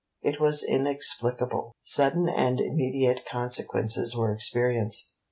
It was inexplicable. Sudden and immediate consequences were experienced.